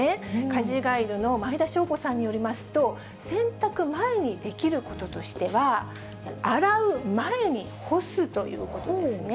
家事ガイドの毎田祥子さんによりますと、洗濯前にできることとしては、洗う前に干すということですね。